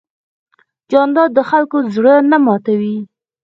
جانداد د خلکو زړه نه ماتوي.